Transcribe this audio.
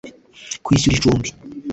kwishyura icumbi